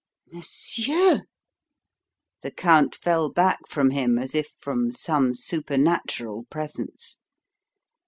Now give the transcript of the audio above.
"Monsieur!" The Count fell back from him as if from some supernatural presence.